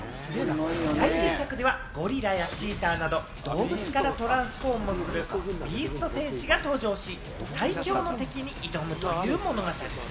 最新作ではゴリラやチーターなど動物からトランスフォームするビースト戦士が登場し、最強の敵に挑むという物語。